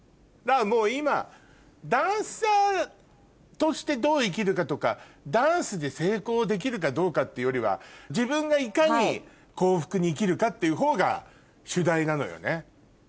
もう今ダンサーとしてどう生きるかとかダンスで成功できるかどうかっていうよりは自分がいかに幸福に生きるかっていうほうが主題なのよね？